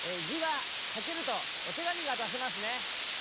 じがかけるとお手紙がだせますね。